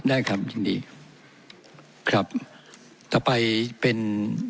ได้ครับยินดีครับต่อไปเป็น